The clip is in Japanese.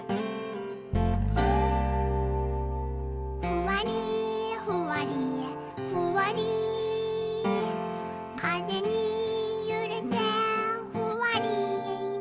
「ふわりふわりふわりかぜにゆれてふわり」